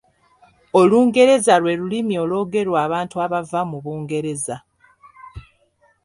Olungereza lwe lulimi olwogerwa abantu abava mu Bungereza.